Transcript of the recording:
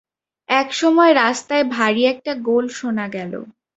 এমন সময় রাস্তায় ভারি একটা গোল শুনা গেল।